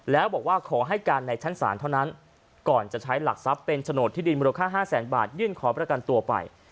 แล้วบอกว่าขอให้การในชั้นศาลเท่านั้นก่อนจะใช้หลักทรัพย์เป็นโฉนดที่ดินมูลค่า๕แสนบาทยื่นขอประกันตัวไป